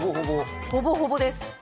ほぼほぼです。